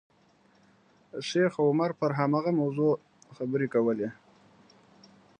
شیخ عمر پر هماغه موضوع خبرې کولې.